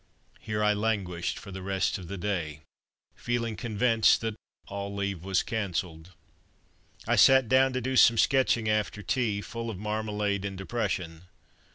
Here I languished for the rest of the day, feeling convinced that "all leave was cancelled." I sat down to do some sketching after tea, full of marmalade and depression.